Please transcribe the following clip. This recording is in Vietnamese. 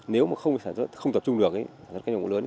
nếu mà không sản xuất không tập trung được sản xuất cây hàng hóa mẫu lớn